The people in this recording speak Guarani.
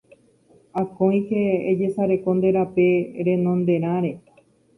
Akóike ejesareko nde rape renonderãre